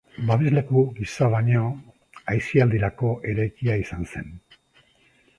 Babesleku gisa baino aisialdirako eraikia izan zen.